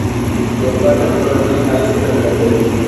کوربه د کورنۍ ښایست څرګندوي.